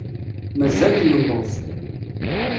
Mazal nelluẓ.